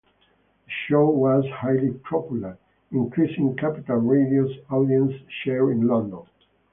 The show was highly popular, increasing Capital Radio's audience share in London.